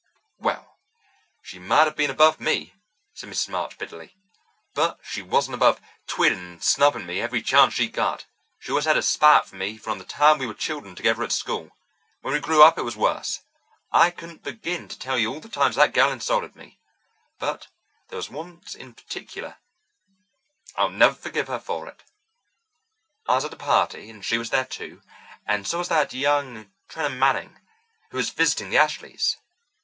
"Well, she might have been above me," said Mrs. March bitterly, "but she wasn't above twitting and snubbing me every chance she got. She always had a spite at me from the time we were children together at school. When we grew up it was worse. I couldn't begin to tell you all the times that girl insulted me. But there was once in particular—I'll never forgive her for it. I was at a party, and she was there too, and so was that young Trenham Manning, who was visiting the Ashleys.